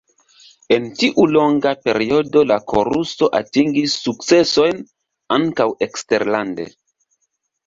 En tiu longa periodo la koruso atingis sukcesojn ankaŭ eksterlande.